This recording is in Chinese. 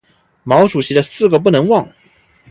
毛主席的四个不能忘！